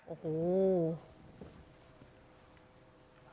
โอ้โห